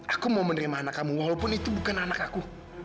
aku mau menerima anak kamu walaupun itu bukan anakku